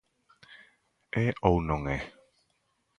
E ou non é?